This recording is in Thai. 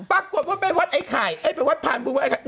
ปรากฏว่าไปวัดไอ้ไข่ไปวัดผ่านพูดว่าไอ้ไข่